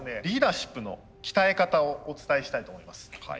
リーダーシップの鍛え方をお伝えしたいと思います。